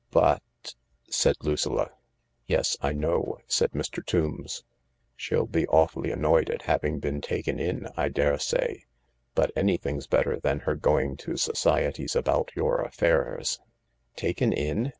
"But " said Lucilla. "Yes, I know," said Mr. Tombs. "She'll be awfully annoyed at having been taken in, I daresay, but any thing's better than her going to societies about your affairs," "Taken in?"